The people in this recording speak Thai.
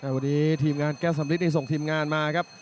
วันนี้ทีมงานแก้วสำริดได้ส่งทีมงานมาครับ